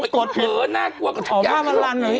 ก็เกี่ยวกับดิ้งน่ากลัว